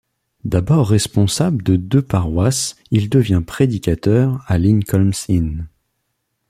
D'abord responsable de deux paroisses il devient prédicateur à Lincoln's Inn.